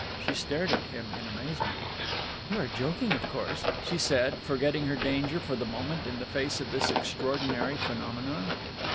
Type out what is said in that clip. She stared at him in amazement. "You are joking, of course," she said, forgetting her danger for the moment in face of this extraordinary phenomenon.